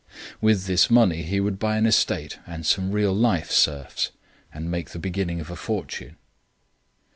With this money he would buy an estate and some real life serfs, and make the beginning of a fortune.